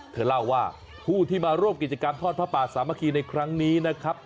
เธอเล่าว่าผู้ที่มาร่วมกิจกรรมทอดพระป่าสามัคคีในครั้งนี้นะครับ